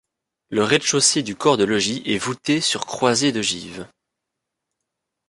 Le rez-de-chaussée du corps de logis est voûté sur croisée d'ogives.